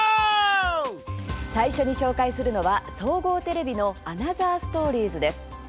最初に紹介するのは総合テレビの「アナザーストーリーズ」です。